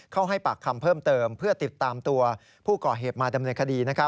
ให้ปากคำเพิ่มเติมเพื่อติดตามตัวผู้ก่อเหตุมาดำเนินคดี